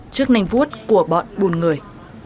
trước nành vuốt của bọn buồn người